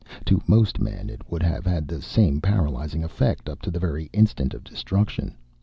To most men it would have had that same paralyzing effect up to the very instant of destruction.